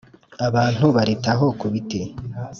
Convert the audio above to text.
abantu baritaho ku biti